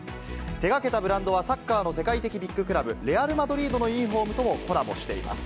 手がけたブランドは、サッカーのサッカーの世界的ビッグクラブ、レアル・マドリードのユニホームともコラボしています。